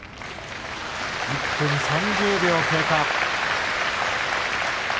１分３０秒経過。